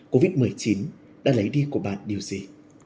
covid một mươi chín đã lấy đi của bạn điều gì